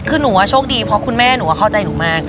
คือหนูว่าโชคดีเพราะคุณแม่หนูเข้าใจหนูมาก